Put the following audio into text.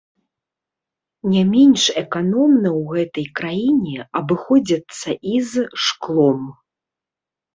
Не менш эканомна ў гэтай краіне абыходзяцца і з шклом.